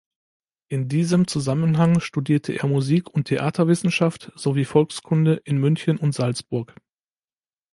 In diesem Zusammenhang studierte er Musik- und Theaterwissenschaft sowie Volkskunde in München und Salzburg.